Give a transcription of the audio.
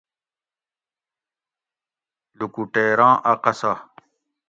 لُکوٹیراں اۤ قصہ